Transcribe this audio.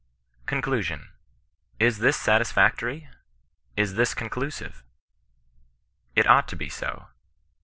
CONCLUSION. Is this satisfactory? Is this conclusive? It ought to be so.